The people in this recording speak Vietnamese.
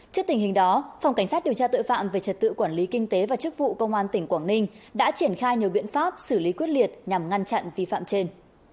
trước tình hình đó phòng cảnh sát điều tra tội phạm về trật tự quản lý kinh tế và chức vụ công an tỉnh quảng ninh đã triển khai nhiều biện pháp xử lý quyết liệt nhằm ngăn chặn vi phạm trên